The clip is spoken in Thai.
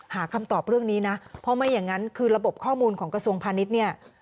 หาคำตอบเรื่องนี้นะเพราะไม่อย่างนั้นคือระบบข้อมูลของกระทรวงพาณิชย์เนี่ย